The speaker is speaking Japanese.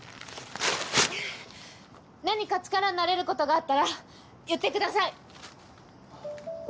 何か力になれることがあったら言ってください！